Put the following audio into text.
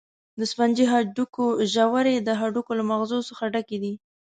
د سفنجي هډوکو ژورې د هډوکو له مغزو څخه ډکې دي.